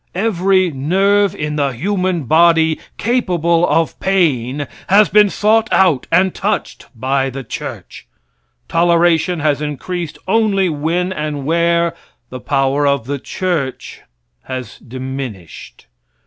Every nerve in the human body capable of pain has been sought out and touched by the church. Toleration has increased only when and where the power of the church has diminished.